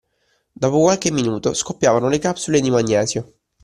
Dopo qualche minuto, scoppiavano le capsule di magnesio.